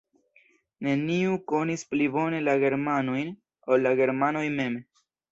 Neniu konis pli bone la germanojn, ol la germanoj mem.